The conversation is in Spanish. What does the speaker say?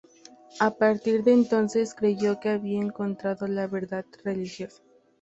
A partir de entonces, creyó que había encontrado la verdad religiosa.